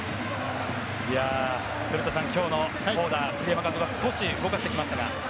古田さん、今日のオーダー栗山監督は少し動かしてきましたが。